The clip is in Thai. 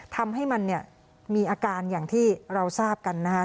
ทำให้มันเนี่ยมีอาการอย่างที่เราทราบกันนะครับ